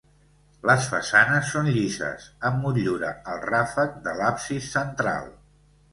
Les façanes són llises, amb motllura al ràfec de l'absis central.